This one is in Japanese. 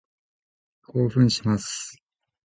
興奮します。